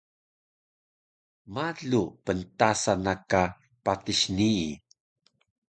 malu pntasan na ka patis nii